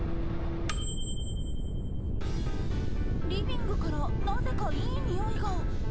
リビングからなぜか、いいにおいが。